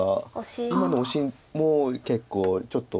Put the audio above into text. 今のオシも結構ちょっと。